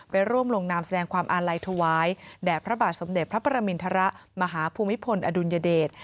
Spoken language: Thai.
ร่วมลงนามแสดงความอาลัยถวายแด่พระบาทสมเด็จพระประมินทรมาหาภูมิพลอดุลยเดช